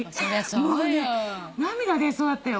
もうね涙出そうだったよ。